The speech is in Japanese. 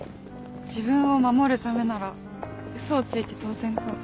自分を守るためなら嘘をついて当然か。